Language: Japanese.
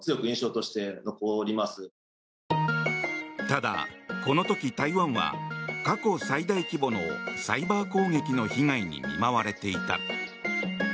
ただ、この時、台湾は過去最大規模のサイバー攻撃の被害に見舞われていた。